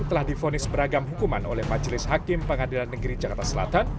telah difonis beragam hukuman oleh majelis hakim pengadilan negeri jakarta selatan